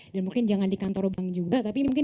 dan mungkin jangan di kantor bang juga tapi mungkin